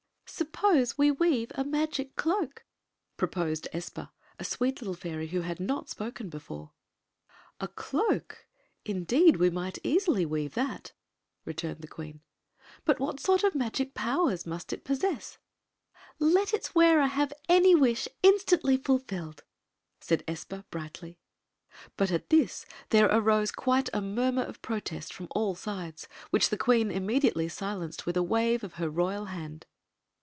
" Suppose we weave a magic cloak," proposed Espa, a sweet little fairy who had not before spoken. "A cloak? Indeed, we might easily weave that," returned the queen. " But what sort of magic pow ers must it possess?" " Let its wearer have any wish ^instantiy fulfilled," said Espa, brightly. Story of the Magic Cloak 7 But at this there arose quite a murmur of protest on all sides, which the queen immediately silenced with a wave 6f her royal hand.